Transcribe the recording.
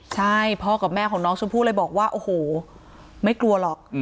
ใช่พ่อกับแม่ของน้องชมพู่เลยบอกว่าโอ้โหไม่กลัวหรอก